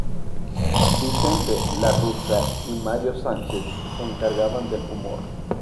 Vicente La Russa y Mario Sánchez se encargaban del humor.